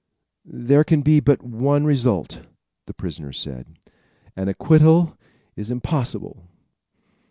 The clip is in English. "There can be but one result," the prisoner said. "An acquittal is impossible.